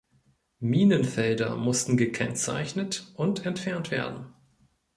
Minenfelder mussten gekennzeichnet und entfernt werden.